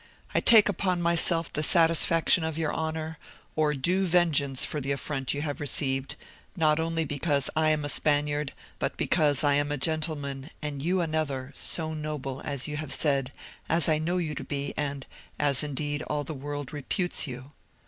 I take upon myself the satisfaction of your honour, or due vengeance for the affront you have received, not only because I am a Spaniard, but because I am a gentleman, and you another, so noble, as you have said, as I know you to be, and as, indeed, all the world reputes you.